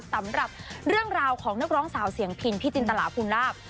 สำหรับเรื่องราวของนักร้องสาวเสียงพินพี่จินตลาภูมิลาบ